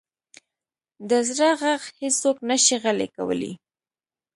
د زړه ږغ هیڅوک نه شي غلی کولی.